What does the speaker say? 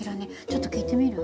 ちょっと聞いてみる？